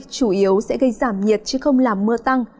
chủ yếu sẽ gây giảm nhiệt chứ không làm mưa tăng